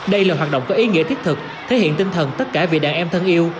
đây là hoạt động có ý nghĩa thiết thực thể hiện tinh thần tất cả vì đàn em thân yêu